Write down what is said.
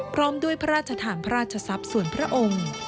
พร้อมด้วยพระราชทานพระราชทรัพย์ส่วนพระองค์